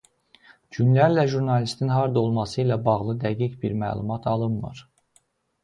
Günlərlə jurnalistin harda olması ilə bağlı dəqiq bir məlumat alınmır.